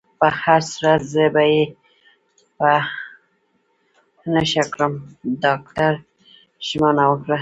په هر صورت، زه به يې په نښه کړم. ډاکټر ژمنه وکړه.